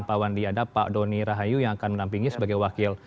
pak wandi ada pak doni rahayu yang akan menampingi sebagai wakil